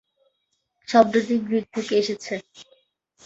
শব্দটি গ্রীক থেকে এসেছে।